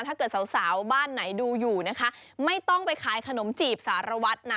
ถ้าเกิดสาวสาวบ้านไหนดูอยู่นะคะไม่ต้องไปขายขนมจีบสารวัตรนะ